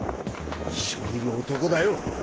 一緒にいる男だよ。